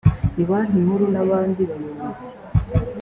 na banki nkuru n abandi bayobozi